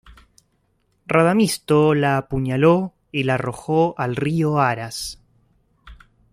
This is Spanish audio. Radamisto la apuñaló y la arrojó al río Aras.